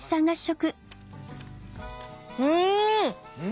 うん！